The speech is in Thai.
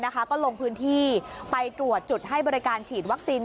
ก็ลงพื้นที่ไปตรวจจุดให้บริการฉีดวัคซีน